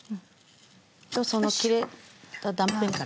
その切れた断片から。